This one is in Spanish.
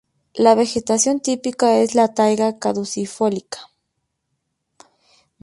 La vegetación típica es la taiga caducifolia.